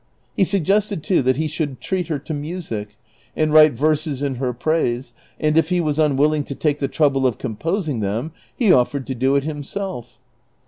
He suggested, too, that lie should treat her to music, and write verses in her praise, and if he was un willino; to take the ti'ouble of composing them, he offered to do it himself.